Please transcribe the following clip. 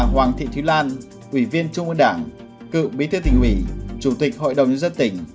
hoàng thị thúy lan ủy viên trung ương đảng cựu bí thư tỉnh ủy chủ tịch hội đồng nhân dân tỉnh